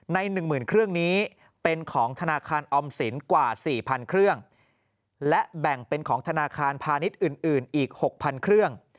ใน๑๐๐๐เครื่องนี้เป็นของธนาคารออมสินกว่า๔๐๐๐เครื่องและแบ่งเป็นของธนาคารพาณิชย์อื่นอีก๖๐๐๐เครื่อง